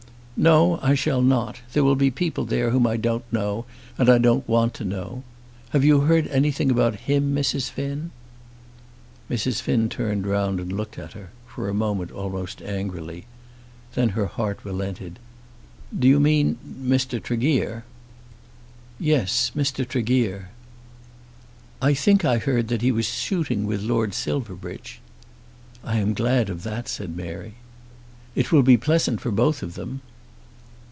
"No; I shall not. There will be people there whom I don't know, and I don't want to know. Have you heard anything about him, Mrs. Finn?" Mrs. Finn turned round and looked at her, for a moment almost angrily. Then her heart relented. "Do you mean Mr. Tregear?" "Yes, Mr. Tregear." "I think I heard that he was shooting with Lord Silverbridge." "I am glad of that," said Mary. "It will be pleasant for both of them."